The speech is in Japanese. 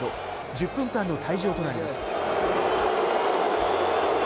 １０分間の退場となります。